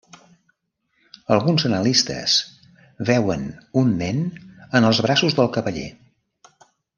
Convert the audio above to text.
Alguns analistes veuen un nen en els braços del cavaller.